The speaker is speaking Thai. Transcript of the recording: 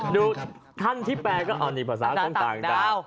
ดูท่านที่แปลกอันนี้ภาษาของต่างดาว